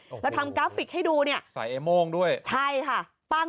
โอ้โหแล้วทำกราฟฟิคให้ดูเนี่ยใส่เอโมงด้วยใช่ค่ะ